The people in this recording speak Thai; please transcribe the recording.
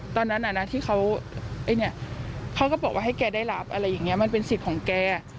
ตอนนั้นที่เขาเขาก็บอกว่าให้แกได้รับอะไรอย่างนี้มันเป็นสิทธิ์ของแก